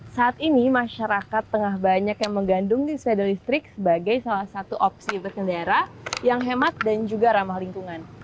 saat ini masyarakat tengah banyak yang menggandung di sepeda listrik sebagai salah satu opsi berkendara yang hemat dan juga ramah lingkungan